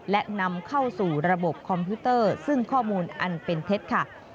และนำเข้าสู่ระบบคอมพิวเตอร์ซึ่งข้อมูลอันเป็นเท็จค่ะ